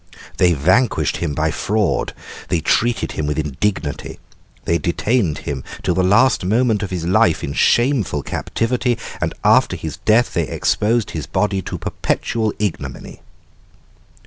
They vanquished him by fraud, they treated him with indignity. They detained him till the last moment of his life in shameful captivity, and after his death they exposed his body to perpetual ignominy."